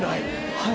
はい。